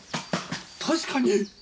確かに！